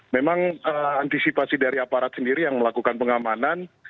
memang antisipasi dari aparat sendiri yang melakukan pengamanan